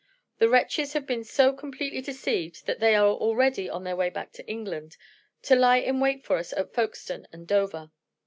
The wretches have been so completely deceived that they are already on their way back to England, to lie in wait for us at Folkestone and Dover.